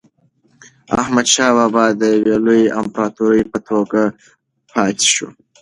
احمدشاه بابا د یو لوی امپراتور په توګه پاتې شو.